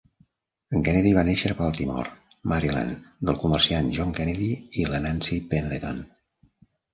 En Kennedy va nàixer a Baltimore, Maryland, del comerciant John Kennedy i la Nancy Pendleton.